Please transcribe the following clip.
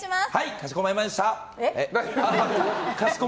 かしこまりました。